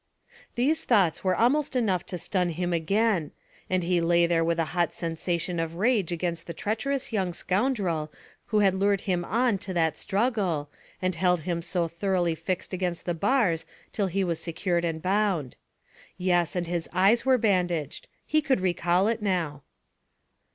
These thoughts were almost enough to stun him again, and he lay there with a hot sensation of rage against the treacherous young scoundrel who had lured him on to that struggle, and held him so thoroughly fixed against the bars till he was secured and bound. Yes, and his eyes were bandaged. He could recall it now.